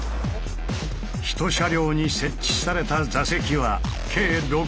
ひと車両に設置された座席は計６０。